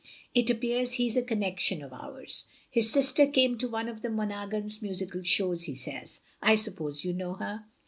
It appears he 's a connection of ours. His sister came to one of Monaghan's musical shows, he says, I suppose you Imow her?"